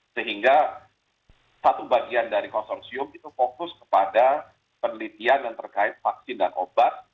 sehingga satu bagian dari konsorsium itu fokus kepada penelitian yang terkait vaksin dan obat